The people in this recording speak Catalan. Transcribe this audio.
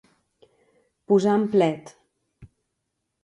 Posar en plet.